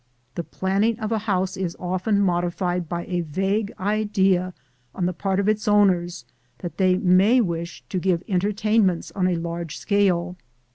The planning of a house is often modified by a vague idea on the part of its owners that they may wish to give entertainments on a large scale.